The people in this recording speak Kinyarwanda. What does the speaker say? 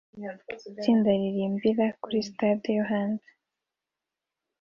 Itsinda riririmbira kuri stade yo hanze